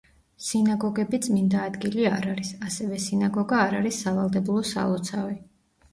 სინაგოგები წმინდა ადგილი არ არის, ასევე სინაგოგა არ არის სავალდებულო სალოცავი.